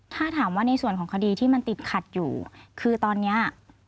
ถ้าถามว่าในส่วนของคดีที่มันติดขัดอยู่คือตอนนี้